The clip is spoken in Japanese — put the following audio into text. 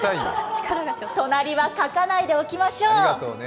隣は書かないでおきましょう。